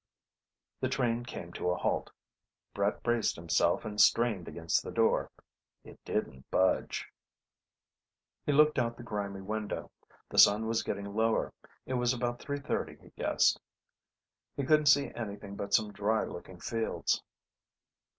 The train came to a halt. Brett braced himself and strained against the door. It didn't budge. He looked out the grimy window. The sun was getting lower. It was about three thirty, he guessed. He couldn't see anything but some dry looking fields.